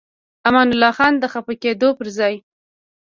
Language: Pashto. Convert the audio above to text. امان الله خان د خفه کېدو پر ځای.